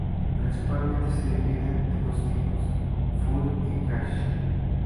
Principalmente se dividen en dos tipos: full y cash.